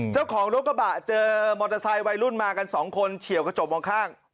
เจ้าของรถกระบะเจอมอเตอร์ไซค์วัยรุ่นมากันสองคนเฉียวกระจกมองข้าง